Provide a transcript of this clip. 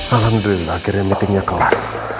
alhamdulillah akhirnya meetingnya kelar